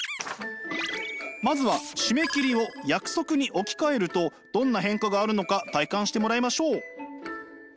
まずは締め切りを約束に置き換えるとどんな変化があるのか体感してもらいましょう。